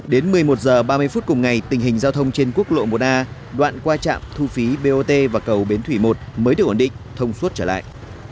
đến một mươi một h ba mươi phút cùng ngày tình hình giao thông trên quốc lộ một a đoạn qua trạm thu phí bot và cầu bến thủy một mới được ổn định thông suốt trở lại